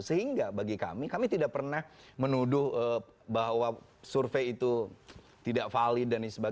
sehingga bagi kami kami tidak pernah menuduh bahwa survei itu tidak valid dan sebagainya